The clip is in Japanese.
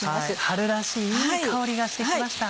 春らしいいい香りがして来ました。